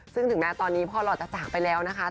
ซึ่งถึงแม้ตอนนี้พ่อหล่อจะจากไปแล้วนะคะ